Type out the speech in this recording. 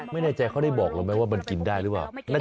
ไม่แน่ใจเขาได้บอกเราไหมว่ามันกินได้หรือเปล่า